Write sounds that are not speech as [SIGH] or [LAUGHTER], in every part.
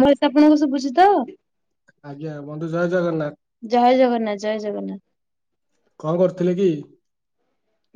ମୁଁ କଥା ପଣଙ୍କୁ ସୁଭୁଚି ତ? ଆଜ୍ଞା ବନ୍ଧୁ ଜୟ ଜଗନ୍ନାଥ। ଜୟ ଜଗନ୍ନାଥ ଜୟ ଜଗନ୍ନାଥ। କଣ କରୁଥିଲେ କି?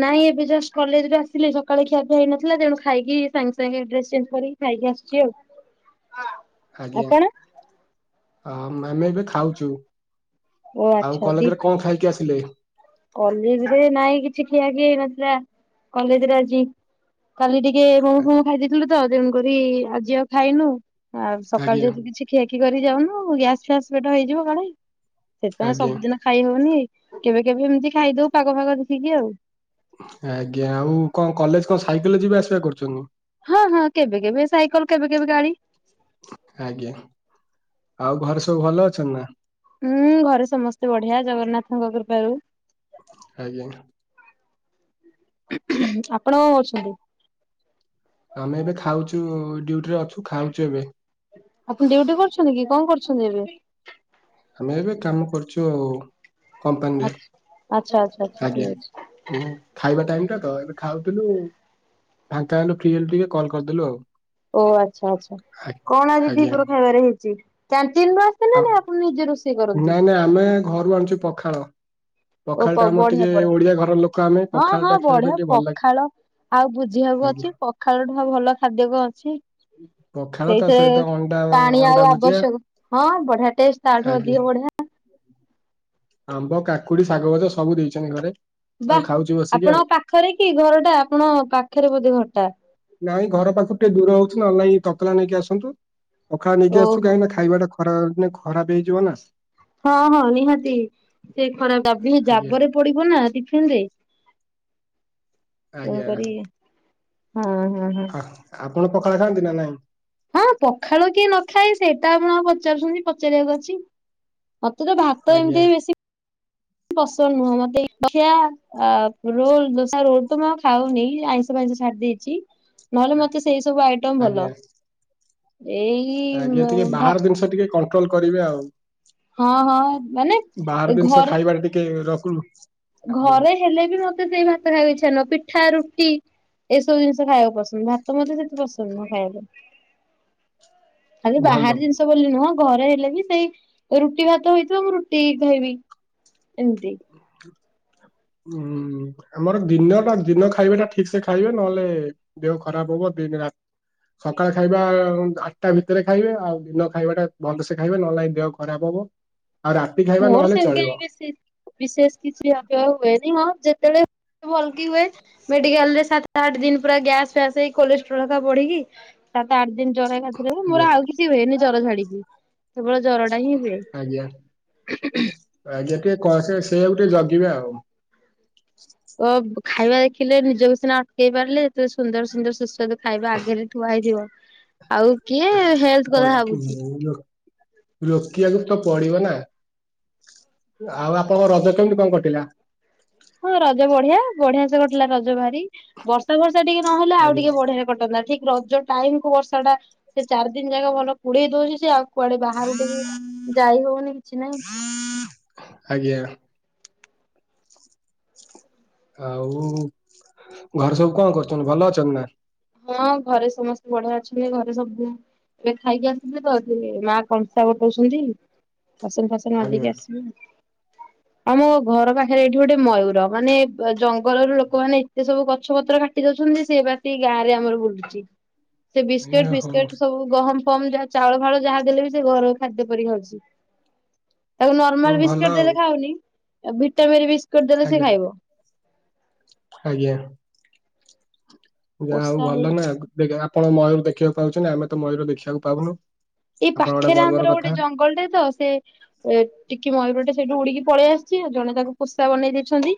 ନାଇଁ ଏବେ ଜଷ୍ଟ କଲେଜରେ ଆସିଲି ସକାଳେ ଜଳଖିଆ ହେଇନଥିଲା ତେଣୁ ଖାଇକି ସାଙ୍ଗେ ସାଙ୍ଗେଡ୍ରେସ ଚେଞ୍ଜ କରି ଖାଇକି ଆସିଚି ଆଉ। ଆଜ୍ଞା ଆପଣ? ଆମେ ଏବେ ଖାଉଚୁ। ଓ ଆଉ ଆଚ୍ଛା ଦି କଲେଜରେ କଣ ଖାଇକି ଆସିଲେ? କଲେଜରେ ନାଇଁ କିଛି ଖିଆ ଖିଇ ହେଇ ନଥିଲା କଲେଜରେ ଆଜି କାଲି ଟିକେ ଟେ ମୋମ୍ ଫୋମ ଖାଇ ଦେଇଥିଲୁ ତ ତେଣୁ କରି ଆଜି ଆଉ ଖାଇନୁ ଆଉ ସକାଳୁ ଆଜ୍ଞା ଯେହେତୁ କିଛି ଖିଆଖିଇ କରି ଯାଉନୁ ଗ୍ୟାସ୍ ଫ୍ୟାସ ପେଟ ହେଇଯିବ କାଳେ ସେଥିପାଇଁ ଆଜ୍ଞା ସବୁଦିନ ଖାଇ ହୋଉନି କେବେ କେବେ ଏମିତି ଖାଇଦୋଉ ପାଗ ଫାଗ ଦେଖିକି ଆଉ। ଆଜ୍ଞା ଆଉ କଣ କଲେଜ କଣ ସାଇକେଲରେ ଯିବା ଆସିବା କରୁଛନ୍ତି? ହଁ ହଁ କେବେ କେବେ ସାଇକେଲ କେବେ କେବେ ଗାଡି। ଆଜ୍ଞା ଆଉ ଘରେ ସବୁ ଭଲ ଅଛନ୍ତି ନା? ହୁଁ ଘରେ ସମସ୍ତେ ବଢିଆ ଜଗନ୍ନାଥଙ୍କ କୃପାରୁ। ଆଜ୍ଞା। ଆପଣ କଣ କରୁଛନ୍ତି? ଆମେ ଏବେ ଖାଉଛୁ ଡ୍ୟୁଟିରେ ଅଛୁ ଖାଉଛୁ ଏବେ। ଆପଣ ଡିୟୁଟି କରୁଛନ୍ତି କି କଣ କରୁଛନ୍ତି ଏବେ? ଆମେ ଏବେ କାମ କରୁଛୁ ଆଉ ଆଚ୍ଛା ଆଚ୍ଛା ଆଚ୍ଛା କମ୍ପାନୀରେ ଆଜ୍ଞା। ଠିକ ଅଛି ହ ଖାଇବା ଟାଇମ ଟା ତ ଏବେ ଖାଉଥିଲୁ ଫାଙ୍କା ହେଲୁ ଫ୍ରି ହେଲୁ ଟିକେ କଲ କରିଦେଲୁ ଆଉ। ଓ ଆଚ୍ଛା ଆଚ୍ଛା ଆଜ୍ଞା। କଣ ଆଜି ଆଜ୍ଞା ଦିପହର ଖାଇବାରେ ହେଇଛି କ୍ୟଟିନ ନାଇଁ ନାଇଁ ଆମେ ଘରୁ ଆଣିୁଛୁ ପଖାଳ ଓ ପଖାଳ ଟା ଆମର ବଢିଆ ଟିକେ ବଢିଆ ଓଡିଆ ଘରର ଲୋକ ଆମେ ହଁ ହଁ ପଖାଳଟା ଖାଇବା ବଢିଆ ପାଇଁ ଟିକେ ଭଲ ଲାଗେ। ପଖାଳ ଆଉ ବୁଝିବାକୁ ଅଛି ଆଜ୍ଞା ପଖାଳଠୁ ଭଲ ଖାଦ୍ୟ କ ଅଛି। ପଖାଳ ତା ସହିତ ସେଇଥିରେ ଅଣ୍ଡା ପାଣି ଅଣ୍ଡା ଆଉ ଭୁଜିଆ ଆବଶ୍ୟକ ହଁ ବଢିଆ ଟେଷ୍ଟ ତାଠ ଆଜ୍ଞା। ଅଧିକା ବଢିଆ ଆମ୍ବ କାକୁଡି ଶାଗ ଭଜା ସବୁ ଦେଇଛନ୍ତି ଘରେ ବା ଆଉ ଖାଉଛୁ ବସିକି ଆପଣଙ୍କ ଆଉ। ପାଖରେ କି ଘର ଟା ଆପଣ ପାଖରେ ବୋଧେ ଘରଟା ନାଇଁ ଘର ପାଖକୁ ଟିକେ ଦୂର ହଉଛିି ନହେଲେ ତତଲା ନେଇକି ଆସନ୍ତୁ ପଖାଳ ନେଇକି ଆସୁ ଓହୋ। କାହିଁକି ହୋ ନା ଖାଇବାଟା- ଖରା ଦିନେ ଖରାପ ହେଇଯିବ ନା ହଁ ହଁ ନିହାତି ସେ ଖରା ଜାବି ହେଇ ଆଜ୍ଞା ଜାବରେ ପଡିବନା ନାଟିଫିନରେ ଆଜ୍ଞା ତେଣୁକରି ହଁ ହଁ ହଁ ଆ ଆପଣ ପଖାଳ ଖାଆନ୍ତି ନା ନାଇଁ ହଁ ପଖାଳ କିଏ ନ ଖାଏ ସେଇଟା ଆପଣ ଆଉ ପଚାରୁଛନ୍ତି ପଚାରିବାକୁ ଅଛି। ମତେ ତ ଭାତ ଆଜ୍ଞା। ଏମିତି ବେଶୀ ପସନ୍ଦ ନୁହଁ ମତେ ଅ ରୋଲ ଦୋସା ରୋଲ ତ ମୁଉ ଖାଉନି ଆଇଁଷ ଫା ଇଁଷ ଛାଡି ଦେଇଛି। ନହେଲେ ମତେ ସେଇ ସବୁ ଆଇଟମ ଆଜ୍ଞା ଭଲ। ଏଇ ଆଜ୍ଞା ଟିକେ ଭା ବାହାର ଜିନିଷ ଟିକେ କଣ୍ଟ୍ରୋଲ କରିବେ ଆଉ। ହଁ ହଁ ମାନେ ବାହାର ଜିନିଷ ଘରେ ଖାଇବାରେ ଟିକେ ରଖନୁ ଘରେ ହେଲେ ବି ମତେ ସେଇ ଭାତ ଖାଇବାକୁ ଇଚ୍ଛା ନୁଁହ ପିଠା ରୁଟି ଏଇସବୁ ଜିନିଷ ଖାଇବାକୁ ପସନ୍ଦ ଭାତ ମତେ ସେତେ ପସନ୍ଦ ନୁହଁ ଖାଇବାକୁ। ଖାଲି ଭଲ। ବାହାର ଜିନିଷ ବୋଲି ନୁହଁ ଘରେ ହେଲେ ବି ସେଇ ରୁଟି ଭାତ ହେଇଥିବ ମୁଁ ରୁଟି ଧଇବି। ଏମିତି ହ [UNINTELLIGIBLE] ହୁଁ ଆମର ଦିନଟା ଦିନ ଖାଇବାଟା ଠିକ ସେ ଖାଇବେ ନହେଲେ ଦେହ ଖରାପ ହବ ଦିନ୍ ରା ସକାଳେ ଖାଇବା ଆଠଟା ଭିତରେ ଖାଇବେ ଆଉ ଦିନ ଖାଇବାଟା ଭଲସେ ଖାଇବେ ନହେଲେ ନାଇ ଦେହ ଖରାପ ହବ। ଆଉ ରା ମୋର [UNINTELLIGIBLE] ବିଶେଷ କିଛି ଆଗେ ହୁଏନି ହଁ ଯେତେବେଳେ ଭଲକି ହୁଏ। ମେଡିକାଲ ରେ ସାତ ଆଠ ଦିନ ପୁରା ଗ୍ୟାସ ଫ୍ୟାସ ହେଇ କଷ୍ଟ୍ରୋଲ ବଢିକି ସାତ ଆ ଯେମିତି ଜର ହେଲା [UNINTELLIGIBLE] ମୋ ଆଜ୍ଞା ଆଉ କିଛି ହୁଏନି ଜର ଛାଡିକି କେବଳ ଜରଟା ହିଁ ହୁଏ ଆଜ୍ଞା ଆଜ୍ଞା ଟିକେ କ ସେୟା କୁ ଟିକେ ଜଗିବେ ଆଉ ଓ ଖାଇବା ଦେଖିଲେ ନିଜକୁ ସିନା ଅଟକେଇ ପାରିଲେ ଏତ ସୁନ୍ଦର ସୁନ୍ଦର ସୁସ୍ୱାଦ ଖାଇବା ଆଗରେ ଥୁଆ ହେଇଥିବ ଆଉ କିଏ କ ହେଲ୍ଥ କଥା ଭାବୁଛି ରୋ ରୋକିବାକୁ ତ ପଡିବ ନା ଆଉ ଆପଣଙ୍କ ରଜ କେମିତି କଣ କଟିଲା? ହଁ ରଜ ବଢିଆ ବଢିଆ ସେ ଘଟିଲା ରଜ ଭାରି ବର୍ଷା ବର୍ଷା ଟିକେ ନହେଲେ ଆଉ ଆଜ୍ଞା ଟିକେ ବଢିଆ କଟନ୍ତା ଠିକ ରଜ ଟାଇମ କୁ ବର୍ଷା ଟା ସେ ଚାରି ଦିନ ଯାକ ଭଲ କୁଡେଇ ଦଉଛି ସେ ଆଉ କୁଆଡେ ବାହାରୁ ଟିକି ଯାଇ ହଉନି କିଛି ନାଇଁ ଆଜ୍ଞା ଆଉ ଘରେ ସବୁ କଣ କରୁଛନ୍ତି ଭଲ ଅଛନ୍ତି ନା ହଁ ଘରେ ସମସ୍ତେ ବଢିଆ ଅଛନ୍ତି ଘରେ ସବୁ ଏବେ ଖାଇକି ଆସିଥିଲେ ତ ସେମା କଂସା ଗୋଟଉଛନ୍ତି ବାସନ ଫାସ୍ ସେ ଆଜ୍ଞା ମାଜିକି ଆସିବେ ଆଉ। ଆମ ଘର ପାଖରେ ଏଇଠି ଗୋଟେ ମୟୂର ମାନେ ଜଙ୍ଗଲରୁ ଲୋକମାନେ ଏତେ ସବୁ ଗଛ ପତ୍ର କାଟ୍ କାଟି ଦଉଚନ୍ତି ସିଏ ଏବେ ଆସିକି ଗାଁ ରେ ଆମର ବୁଲୁଚି ସେ ଏ ବିସ୍କେଟ୍ ହଉ ଫିସ୍କେଟ୍ ସବୁ ଗହମ ଫହମ ଯାହା ଚାଉଳ ଫାଉଳ ଯାହା ଦେଲେ ବି ସେ ଘର ଖାଦ୍ୟ ପରି ଖାଉଚି। ତାକୁ ହୁଁ, ନର୍ମାଲ ଭଲ ବିସ୍କେଟ୍ ଆଉ ଦେଲେ ଖାଉନି ଭିଟାମେରି ବିସ୍କେଟ୍ ଦେଲେ ସେ ଆଜ୍ଞା ଖାଇବ। ଆଜ୍ଞା। ଯାହା ହଉ ପୋଷା ହେଇ ଭଲ ନା ଦେଖ୍ ଆପଣ ମୟୂର ଦେଖିଆକୁ ପାଉଚନ୍ତି ଆମେ ତ ମୟୂର ଦେଖିଆକୁ ପାଉନୁ। ଏଇ ଆପଣ ଗୋଟେ ପାଖେରେ ଗର୍ବର ଆମର କଥା ଗୋଟେ ଜଙ୍ଗଲ୍ ଟେ ତ ସେ ଏ ଟିକେ ମୟୂରଟେ ସେଇଠୁ ଉଡିକି ପଳେଇ ଆସିଚି ଜଣେ ତାକୁ ପୋଷା ବନେଇ ଦେଇଛନ୍ତି।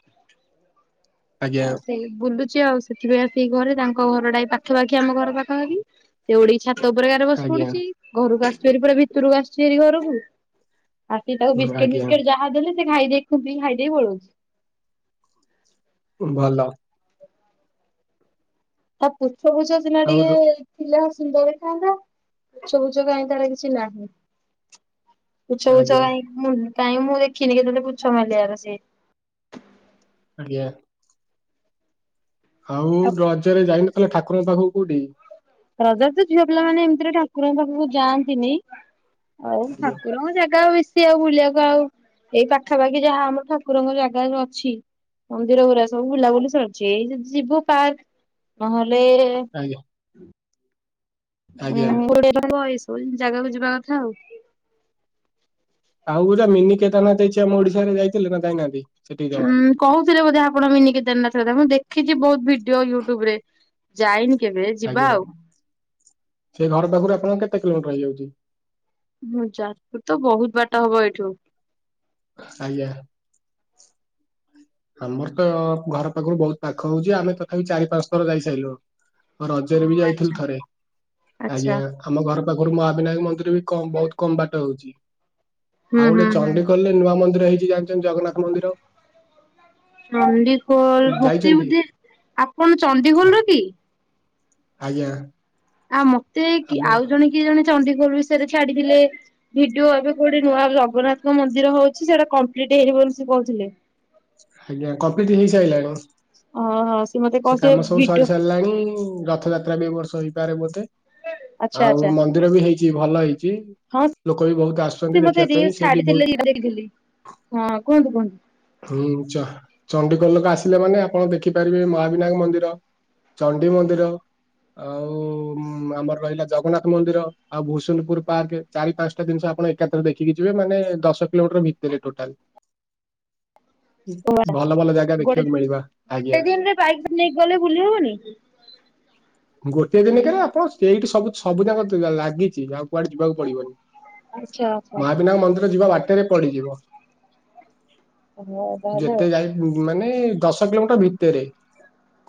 ଆଜ୍ଞା ଆଉ ସେଇ ବୁଲୁଚି। ଚି ଆଉ ସେଥିପାଇଁ ଆସିକି ଘରେ ତାଙ୍କ ଘରଟା ପାଖାପାଖି ଆମ ଘର ପାଖାଖି ସେ ଉଡି ଛାତ୍ ଛାତ ଉପରେ କାର ବସି ଆଜ୍ଞା ପଡୁଚି ଘରକୁ ଆସିାରି ପୁରା ଭିତରକୁ ଆସୁଚି ପୁରା ଘରୁକୁ। ଆସିକି ତାକୁ ହୁଁ, ବିସ୍କେଟ୍ ଆଜ୍ଞା ଫିସ୍କେଟ୍ ଯାହା ଦେଲେ ସେ ଖାଇ ଦେଇକି ଖୁଣ୍ଟିକି ଖାଇଦେଇପଳଉଚି। ଉଁ ଭଲ। ତା ର୍ପୁଛ ର୍ଭୁଛ ସିନା ଆଉ ର- ଟିକିଏ ଥିଲା ସୁନ୍ଦର ଦେଖାଯାଆନ୍ତା ର୍ପୁଛ ର୍ଭୁଛ ତାର କିଛି ନାହିଁ। ର୍ପୁଛ ର୍ଗୁଛ ଆଜ୍ଞା କାଇଁ ମୁଁ କାଇଁ ମୁଁ ଦେଖିନି କେତେବେଳେ ର୍ପୁଛ ମେଲି ଆର ସେ। ଆଜ୍ଞା। ଆଉ ରଜରେ ଯାଇନଥିଲ ଠାକୁରଙ୍କ ପାଖକୁ କୋଉଠି? ରଜରେ ତ ଝିଅ ପିଲାମାନେ ଏମିତିରେ ଠାକୁରଙ୍କ ପାଖକୁ ଯାଆନ୍ତିନି। ହଉ ଆଜ୍ଞା ଠାକୁରଙ୍କ ଜାଗା ଆଉ ବେଶ୍ ବେସି ଆଉ ବୁଲିଆକୁ ଆଉ ଏଇ ପାଖାପାଖି ଯାହା ଆମ ଠାକୁରଙ୍କ ଜାଗା ସବୁ ଅଛି। ମନ୍ଦିର ଗୁଡା ସବୁ ବୁଲାବୁଲି ସରିଚି ଏଇ ଯଦି ଯିବୁ ପାର୍କ ନହେଲେ ଆଜ୍ଞା। ଆଜ୍ଞା। [UNINTELLIGIBLE] ଜାଗାକୁ ଯିବା କଥା ଆଉ। ଆଉ ଗୋଟେ ମିନି କେଦାରନାଥ୍ ହେଇଚି ଆମ ଓଡିଶାରେ ଯାଇଥିଲେ ନା ଯାଇନାହାନ୍ତି? ସେଠିକି ଜମା ଉଁ କହୁଥିଲେ ବୋଧେ ଆପଣ ମିନି କେଦାରନାଥ୍ କଥା ମୁଁ ଦେଖିଚି ବହୁତ୍ ଭିଡିଓ ୟୁଟ୍ୟୁବ ରେ। ଯାଇନି କେବେ ଯିବା ଆଜ୍ଞା ଆଉ। ସେ ଘର ପାଖରୁ ଆପଣଙ୍କ କେତେ କିଲୋମିଟର ହେଇଯାଉଚି? ହୁଁ ଯାଜପୁରୁ ତ ବହୁତ୍ ବାଟ ହବ ଏଇଠୁ। ଆଜ୍ଞା। ଆମର ତ ଘର ପାଖରୁ ବହୁତ ପାଖ ହଉଚି ଆମେ ତଥାପି ଚାରି ପାଞ୍ଚ ଥର ଯାଇ ସାଇଲୁ। ହଁ ରଜରେ ବି ଓହୋ ଯାଇଥିଲୁ ଆଚ୍ଛା। ଥରେ ଆଚ୍ଛା ଆଜ୍ଞା। ଆମ ଘର ପାଖରୁ ମହାବିନାୟକ ମନ୍ଦିର ବି କ ବହୁତ କମ୍ ବାଟ ହଉଚି ହୁଁ ଆଉ ହୁଁ ଗୋଟେ ହୁଁ ଚଣ୍ଡି ଖୋଲ ରେନୂଆ ନୁଆମନ୍ଦିର ହେଇଚି ଜାଣିଚନ୍ତି ଜଗନ୍ନାଥ ମନ୍ଦିର? ଚଣ୍ଡିଖୋଲ୍ ଭୃତି ଯାଇଛନ୍ତି? ବୋଧେ ଆପଣ ଚଣ୍ଡିଖୋଲ ର କି? ଆଜ୍ଞା। ଆଉ ମତେ ଆମର ଆଉ ଜଣେ କିଏ ଜଣେ ଚଣ୍ଡିଖୋଲ ବିଷୟ ରେ ଛାଡିଥିଲେ। ଭିଡିଓ ଏବେ ଗୋଟେ ନୂଆ ଜଗନ୍ନାଥ ମନ୍ଦିର ହଉଚି ସେଇଟା କମ୍ପ୍ଲିଟ୍ ହେଇନି ବୋଲି ସେ କହୁଥିଲେ। ଆଜ୍ଞା କମ୍ପ୍ଲିଟ୍ ହେଇସାଇିଲାଣିମ। ଅ ହଁ। ସେ ମତେ କହ ସେ କାମ ସବୁ ଭିଡିଓ ସରି ସାରିଲାଣି ରଥଯାତ୍ରା ବି ଏବ ବର୍ଷ ହେଇପାରେ ବୋଧେ। ଆଚ୍ଛା ଆଉ ଆଚ୍ଛା ମନ୍ଦିର ବି ହେଇଚି ଭଲ ହେଇଚି। ହଁ ଜଣେ ମତେ ରିଲ୍ସ୍ ସେଇଠି ବହୁତ ଛାଡିଥିଲେ ମୁଁ ଦେଖିଥିଲି ହଁ କୁହନ୍ତୁ କୁହନ୍ତୁ। ହୁଁ ଚା ଚଣ୍ଡିକୋଲ ଲୋକ ଆସିଲେ ମାନେ ଆପଣ ଦେଖିପାରିବେ ମହାବିନାୟକ ମନ୍ଦିର। ଚଣ୍ଡୀ ମନ୍ଦିର। ଆଉ ଆମର ରହିଲା ଜଗନ୍ନାଥ ମନ୍ଦିର ଆଉ ଭୁସୁନ୍ଦପୁର ପାର୍କ। ଚାରି ପାଞ୍ଚଟା ଜିନିଷ ଆପଣ ଏକାଥରେ ଦେଖିକି ଯିବେ ମାନେ ଦଶ କିଲୋମିଟର ଭିତରେ ଟୋଟାଲ୍। ଗୋଟେ ଭଲ ଭଲ ଜାଗା ଦେଖିବାକୁ ମିଳିବା ଗୋଟେ ଆଜ୍ଞା। ଦିନରେ ବାଇକ୍ ଟା ନେଇକି ଗଲେ ବୁଲି ହବନି? ଗୋଟେ ଦିନ କେରେ ଆପଣ ସେଇଠି ସବୁ ସବୁ ଯାକ ଲାଗିଛି ଆଉ କୁଆଡେ ଯିବାକୁ ପଡିବନି। ଆଚ୍ଛା ଆଚ୍ଛା ମହାବିନାୟକ ମନ୍ଦିର ଯିବା ବା ଟରେ ପଡିଯିବ ହଉ ତାହେଲେ ଆଉ ଯେତେ ଯାଇ ମାନେ ଦଶ କିଲୋମିଟର ଭିତରେ।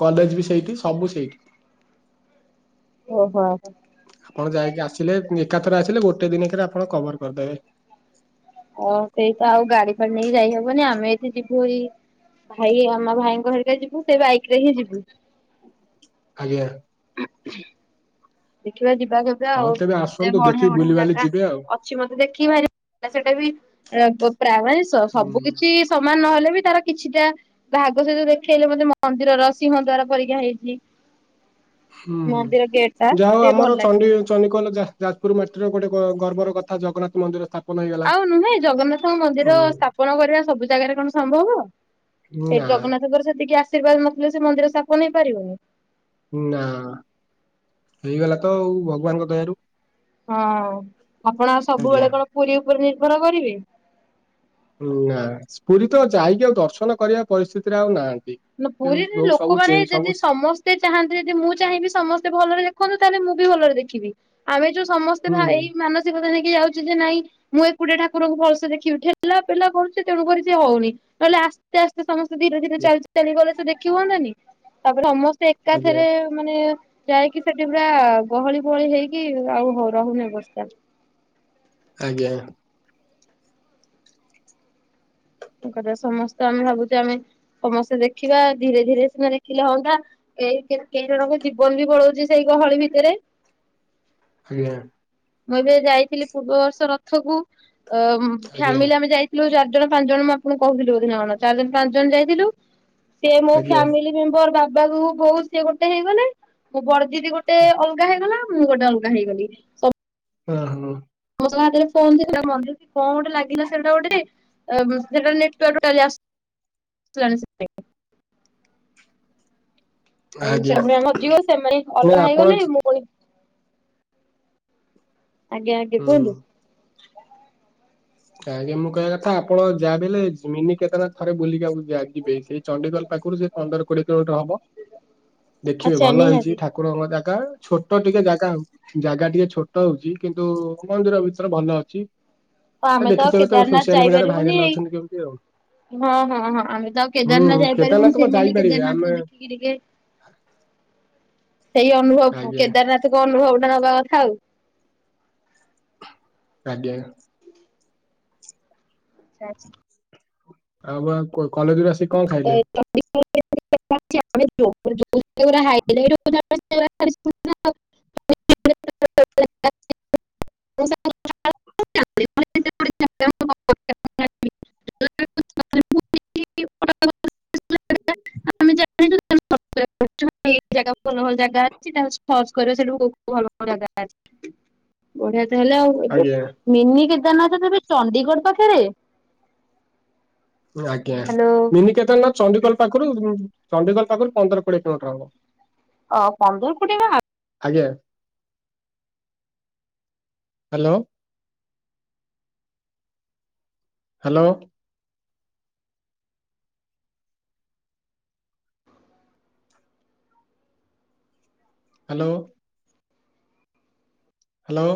କଲେଜ ବି ସେଇଠି ସବୁ ସେଇଠି। ଓହୋ। ଆପଣ ଯାଇକି ଆସିଲେ ଏକାଥରେ ଆସିଲେ ଗୋଟେ ଦିନିକରେ ଆପଣ କଭର କରିଦେବେ। ହ ସେଇ ତ ଆଉ ଗାଡି ଫାଡି ନେଇକି ଯାଇହବନି ଆମେ ଏଠି ଯିବୁ ରି ଭାଇ ଆମ ଭାଇଙ୍କ ଘରିକା ଯିବୁ ସେ ବାଇକ୍ ରେ ହିଁ ଯିବୁ। ଆଜ୍ଞା। ଦେଖିବା ଯିବା କେବେ ହଉ ଆଉ। ତେବେ ଏତେ ଆସନ୍ତୁ ବଢିଆ ଦେଖିକି ବଢିଆ ବୁଲିବାଲି ଜାଗା। ଯିବେ ଆଉ ଅଛି ମତେ ଦେଖିକି ଭାରି ସେଇଟା ବି [UNINTELLIGIBLE] ହୁଁ ସବୁ କିଛି ସମାନ ନହେଲେ ବି ତାର କିଛିଟା ଭାଗ ସେ ଯୋଉ ଦେଖେଇଲେ ମତେ ମନ୍ଦିରର ସିଂହ ଦ୍ଵାର ପରିକା ହେଇଛି। ମନ୍ଦିର ଗେଟ୍। ଟା ଯାଆ ହଉ ଟିକେ ଭଲ ଆମର ଲାଗେ। ଚଣ୍ଡି ଚଣ୍ଡିଖୋଲ ଯା ଯାଜପୁର ମାଟିର ଗୋଟେ ଗ ଗର୍ବର କଥା ଜଗନ୍ନାଥ ମନ୍ଦିର ସ୍ଥା ଆଉ ନୁହେଁ ଜଗନ୍ନାଥଙ୍କ ମନ୍ଦିର ସ୍ଥାପନ କରିବା ସବୁ ଜାଗାରେ କଣ ସମ୍ଭବ। ଏ ନା ଜଗନ୍ନାଥଙ୍କର ସେତିକି ଆଶୀର୍ବାଦ ନଥିଲେ ସେ ମନ୍ଦିର ସ୍ଥାପନ ହେଇ ପାରିବନି। ନା ହେଇଗଲା ତ ଆଉ ଭଗବାନଙ୍କ ଦୟାରୁ। ହଁ ଆପଣ ଆଉ ଆଜ୍ଞା ସବୁବେଳେ କଣ ପୁରୀ ଉପରେ ନିର୍ଭର କରିବେ? ନାଁ ପୁରୀ ତ ଯାଇକି ଆଉ ଦର୍ଶନ କରିବା ପରିସ୍ଥିତିରେ ଆଉ ନାହାନ୍ତି। ନା ଯୋଉ ପୁରୀରେ ଯୋଉ ସବୁ ଚେ ଲୋକମାନେ ସବୁ ଯଦି ସମସ୍ ତେ ଚାହାନ୍ତି ଯଦି ମୁଁ ଚାହିଁବି ସମସ୍ତେ ଭଲରେ ଦେଖନ୍ତୁ ତାହେଲେ ମୁଁ ବି ଭଲରେ ଦେଖିବି। ଆମେ ଯୋଉ ସମସ୍ତେ ଭା ଏଇ ହୁଁ ମାନସିକତା ନେଇକି ଯାଉଛୁ ଯେ ନାଇଁ ମୁଁ ଏକୁଟିଆ ଠାକୁରଙ୍କୁ ଭଲସେ ଦେଖିବି। ଠେଲା ପେଲା କରୁଛି ତେଣୁ କରିି ସିଏ ହଉନି। ନହେଲେ ଆସ୍ ଆସ୍ତେ ଆସ୍ତେ ସମସ୍ତେ ଧୀରେ ଧୀରେ ଚାଲି ଚାଲିଗଲେ ସେ ଦେଖି ହୁଅନ୍ତାନି। ତାପରେ ସମସ୍ତେ ଆଜ୍ଞା ଏକାଥରେ ମାନେ ଯାଇକି ସେଠି ପୁରା ଗହଳି ଗହଳି ହେଇକି ଆଉ ହ ରହୁନି ଅବସ୍ତା। ଆଜ୍ଞା। କଥା ସମସ୍ତେ ଆମେ ଭାବୁଛେ ଆମେ ସମସ୍ତେ ଦେଖିବା ଧୀରେ ଧୀରେ ସିନା ଦେଖିଲେ ହଅନ୍ତା। ଏଇ [UNINTELLIGIBLE] ଜଣଙ୍କ ଜୀବନ ବି ପଳଉଛି ସେଇ ଗହଳି ଭିତରେ। ଆଜ୍ଞା। ମୁଁ ଏବେ ଯାଇଥିଲି ପୂର୍ବବର୍ଷ ରଥକୁ ଅ ଆଜ୍ଞା ଫ୍ୟାମିଲି ଆମେ ଯାଇଥିଲୁ ଚାରି ଜଣ ପାଞ୍ଚ ଜଣ ମୁଁ ଆପଣଙ୍କୁ କହୁଥିଲି ବୋଧେ ନା କଣ ଚାରି ଜଣ ପାଞ୍ଚ ଜଣ ଯାଇଥିଲୁ ସେ ମୋ ଆଜ୍ଞା ଫ୍ୟାମିଲି ର ବାବା କୁ ବୋଉ ସିଏ ଗୋଟେ ହେଇଗଲେ। ମୋ ବଡ ଦିଦି ଗୋଟେ ଅଲଗା ହେଇଗଲା। ମୁଁ ଗୋଟେ ଅଲଗା ହେଇଗଲି। ସବୁ ଆ ହୁଁ। [UNINTELLIGIBLE] ହାତରେ ଫୋନ୍ ଥିଲା ମନ୍ଦିର ରେ କଣ ଗୋଟେ ଲାଗିଲା ସେଟା ଗୋଟେ। ଅ ସେଟା ନେଟୱର୍କ ଟୋଟାଲି [UNINTELLIGIBLE] [UNINTELLIGIBLE] ଆଜ୍ଞା ସେମାନେ ନା [UNINTELLIGIBLE] ଆପଣ ହେଇଗଲେ ମୁଁ [UNINTELLIGIBLE] ଆଜ୍ଞା ଆଜ୍ଞା ହୁଁ କୁହନ୍ତୁ। ଆଜ୍ଞା ମୁଁ କହିବା କଥା ଆପଣ ଯାହା ବି ହେଲେ ମିନି କେଦାରନାଥ ଥରେ ବୁଲିକି ଆ ଯା ଯିବେ ସେଇ ଚଡିଖୋଲ ପାଖରୁ ସେ ପନ୍ଦର କୋଡିଏ କିଲୋମିଟର ହବ ଦେଖିବେ ଆଚ୍ଛା ଭଲ ହେଇଛି ନିହାତି। ଠା ଠାକୁରଙ୍କ ଜାଗା ଛୋଟ ଟିକେ ଜାଗା ଆଉ। ଜାଗା ଟିକେ ଛୋଟ ହଉଛି କିନ୍ତୁ-ଉ-ଉ-ଉ ମନ୍ଦିର ଭିତରେ ଭଲ ଅଛି। ପ ଆମେ ତ ଦେଖିଥିବେ କେଦାରନାଥ ସୋସିଆଲ ମିଡିଆରେ ଯାଇପାରିବୁନି ଭାଇରାଲ ଏଇ ଅଛନ୍ତି କେମିତି ଆଉ ହଁ ହଁ ହଁ ଆମେ ତ ଆଉ ହୁଁ କେଦାରନାଥ ଯାଇପାରିବୁନି କେଦାରନାଥ ସେଇ କଣ ମିନି ଯାଇପାରିବେ ଆମେ କେଦାରନାଥଙ୍କୁ ଦେଖି କି ଟିକେ ସେଇ ଅନୁଭବ ଆଜ୍ଞା କେଦାରନାଥ ଅନୁଭବ ଟା ନବା କଥା ଆଉ। ଆଜ୍ଞା। [UNINTELLIGIBLE] ଆଉ ବା କ କଲେଜରୁ ଆସି କଣ ଖାଇଲେ? [UNINTELLIGIBLE] [UNINTELLIGIBLE] [UNINTELLIGIBLE] [UNINTELLIGIBLE] ତମେ ଜାଣିଛ [UNINTELLIGIBLE] [UNINTELLIGIBLE] ଜାଗା ଭଲ ଭଲ ଜାଗା ଅଛି ତାକୁ ସର୍ଚ୍ଚ କର ଉ ସେଠୁ ଭଲ ଭ ଜାଗା ଅଛି। ବଢିଆ ତ ହେଲା ଆଉ। ଏବେବ ଆଜ୍ଞା ମିନି କେଦାରନାଥ [UNINTELLIGIBLE] ତ ଏବେ ଚଡିଗଡ଼ ପାଖରେ? ଆଜ୍ଞା ହ୍ୟାଲୋ ମିନିିକେଦାରନାଥ ଚଣ୍ଡିଖୋଲ ପାଖରୁ ଚଣ୍ଡିଖୋଲ ପାଖରୁ ପନ୍ଦର କୋଡିଏ କିଲୋମିଟର ହବ। ଅ ପନ୍ଦର କୋଡିଏ ବା ଆଜ୍ଞା ହ୍ୟାଲୋ। ହ୍ୟାଲୋ। ହ୍ୟାଲୋ। ହ୍ୟାଲୋ।